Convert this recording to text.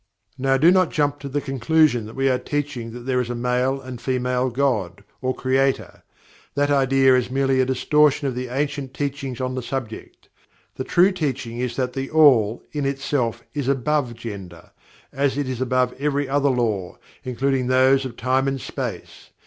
Now do not jump to the conclusion that we are teaching that there is a male and female God, or Creator. That idea is merely a distortion of the ancient teachings on the subject. The true teaching is that THE ALL, in itself, is above Gender, as it is above every other Law, including those of Time and Space.